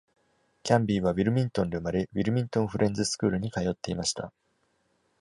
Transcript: キャンビーはウィルミントンで生まれ、ウィルミントン・フレンズ・スクールに通っていました。